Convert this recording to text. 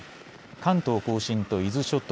関東甲信と伊豆諸島